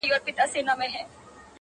څلورم وازه خوله حیران وو هیڅ یې نه ویله!